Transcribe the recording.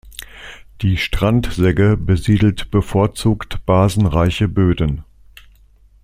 Die Strand-Segge besiedelt bevorzugt basenreiche Böden.